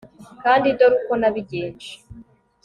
kandi dore uko nabigenje